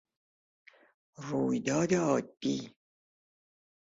رویداد عادی